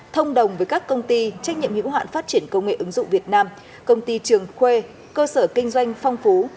thông đồng với các công ty trách nhiệm hiệu hoạn phát triển công nghệ ứng dụng việt nam công ty trường quê cơ sở kinh doanh phong phú